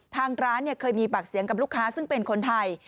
ทางร้านเคยมีปากเสียงกับลูกค้าซึ่งเป็นคนไทย